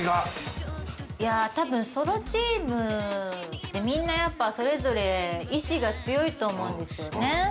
いやたぶんソロチームってみんなやっぱそれぞれ意志が強いと思うんですよね。